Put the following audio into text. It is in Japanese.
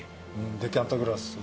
デキャンタグラスを。